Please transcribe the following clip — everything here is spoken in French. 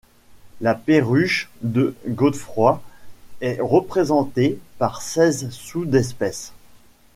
La Perruche de Geoffroy est représentée par seize sous-espèces.